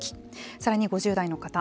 さらに５０代の方。